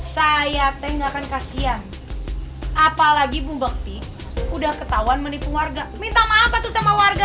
saya tengahkan kasihan apalagi bumukti udah ketahuan menipu warga minta maaf atuh sama warga